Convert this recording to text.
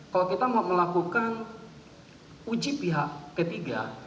kalau kita mau melakukan uji pihak ketiga